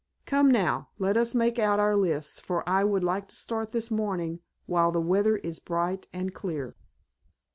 Come now, let us make out our lists, for I would like to start this morning while the weather is bright and clear."